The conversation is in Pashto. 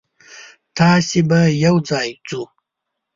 تاسو به یوځای ځو.